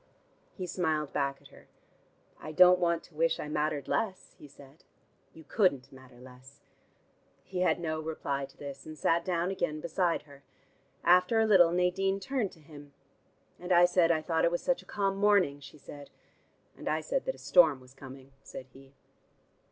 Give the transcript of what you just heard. He smiled back at her. "I don't want to wish I mattered less," he said. "You couldn't matter less." He had no reply to this, and sat down again beside her. After a little Nadine turned to him. "And I said I thought it was such a calm morning," she said. "And I said that storm was coming," said he.